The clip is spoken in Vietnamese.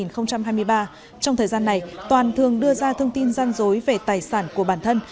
trong thời gian này toàn thường đưa ra thông tin gian dối về tài sản của bản thân